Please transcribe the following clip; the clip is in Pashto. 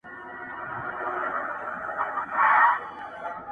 نه مي پل سي څوک په لاره کي میندلای٫